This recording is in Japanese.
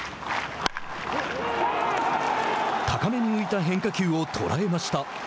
高目に浮いた変化球を捉えました。